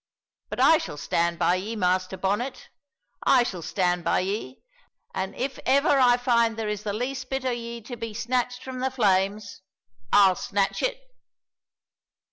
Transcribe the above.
But I shall stand by ye, Master Bonnet, I shall stand by ye; an' if, ever I find there is the least bit o' ye to be snatched from the flames, I'll snatch it!"